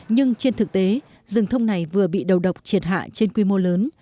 nhưng trên thực tế rừng thông này vừa bị đầu độc triệt hạ trên quy mô lớn